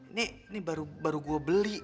ini baru gue beli